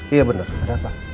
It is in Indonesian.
iya bener ada apa